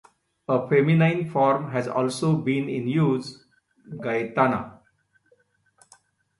A feminine form has also been in use, "Gaetana".